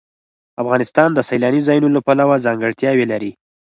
افغانستان د سیلاني ځایونو له پلوه ځانګړتیاوې لري.